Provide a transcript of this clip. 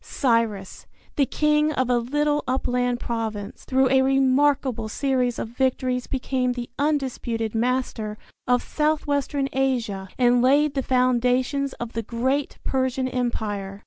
Cyrus, the king of a little upland province, through a remarkable series of victories became the undisputed master of south western Asia and laid the foundations of the great Persian Empire.